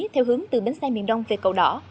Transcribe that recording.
theo hướng từ bến xe miền đông về cầu đỏ